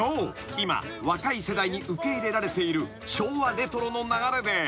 今若い世代に受け入れられている昭和レトロの流れで］